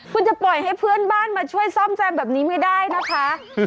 คุณจะปล่อยให้เพื่อนบ้านมาช่วยซ่อมแซมแบบนี้ไม่ได้นะคะ